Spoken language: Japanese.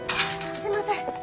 すいません。